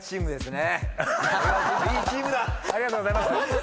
ありがとうございます。